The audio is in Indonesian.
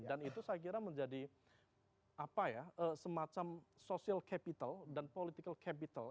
dan itu saya kira menjadi semacam social capital dan political capital